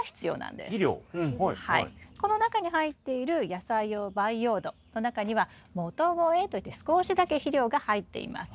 この中に入っている野菜用培養土の中には元肥といって少しだけ肥料が入っています。